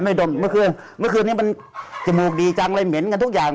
ดนเมื่อคืนเมื่อคืนนี้มันจมูกดีจังเลยเหม็นกันทุกอย่าง